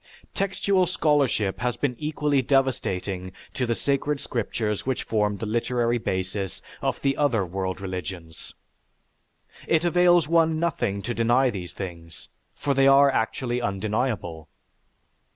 Textual scholarship has been equally devastating to the sacred scriptures which form the literary basis of the other world religions. It avails one nothing to deny these things, for they are actually undeniable.